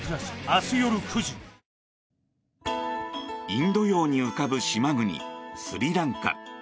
インド洋に浮かぶ島国スリランカ。